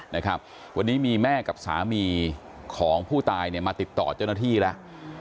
วันนี้มีแม่กับสามีของผู้ตายมาติดต่อเจ้าหน้าที่แล้ว